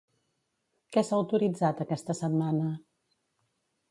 Què s'ha autoritzat aquesta setmana?